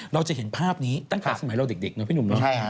เราจะเห็นภาพนี้ตั้งแต่สมัยเราเด็กเนอพี่หนุ่มเนาะ